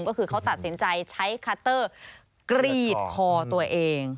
ก็คือเขาตัดสินใจใช้คัตเตอร์กรีดคอตัวเอง